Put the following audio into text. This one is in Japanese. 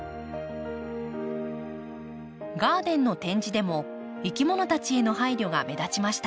ガーデンの展示でもいきものたちへの配慮が目立ちました。